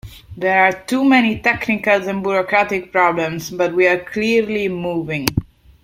There are too many technical and bureaucratic problems, but we are clearly moving.